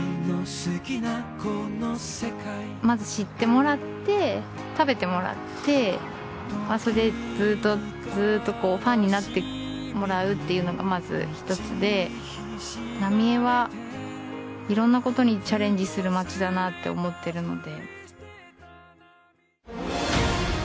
まず知ってもらって食べてもらってずっとずっとファンになってもらうっていうのがまず一つで浪江はいろんなことにチャレンジする街だなって思ってるので。